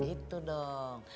nah gitu dong